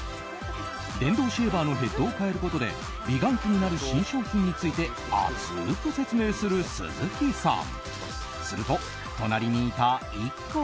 電動シェーバーのヘッドを換えることで美顔器になる新商品について熱く説明する鈴木さん。